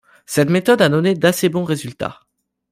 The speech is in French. Cette méthode a donné d'assez bons résultats.